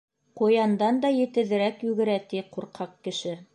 Ҡуяндан да етеҙерәк йүгерә, ти, ҡурҡаҡ кеше.